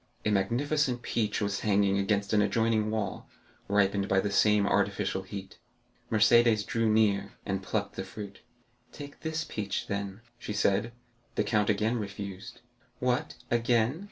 A magnificent peach was hanging against an adjoining wall, ripened by the same artificial heat. Mercédès drew near, and plucked the fruit. "Take this peach, then," she said. The count again refused. "What, again?"